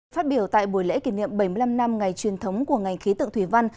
phát biểu tại buổi lễ kỷ niệm bảy mươi năm năm ngày truyền thống của ngành khí tượng thủy văn